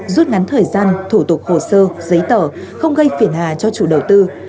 rút ngắn thời gian thủ tục hồ sơ giấy tờ không gây phiền hà cho chủ đầu tư